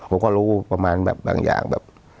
ผมก็รู้ประมาณแบบบางอย่างแบบ